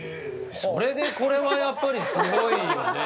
それでこれはやっぱりすごいよね。